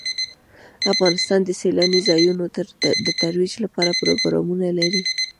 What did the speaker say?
افغانستان د سیلاني ځایونو د ترویج لپاره پروګرامونه لري.